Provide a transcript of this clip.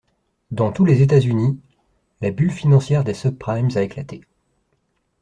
Dans tous les États-Unis, la bulle financière des subprimes a éclaté.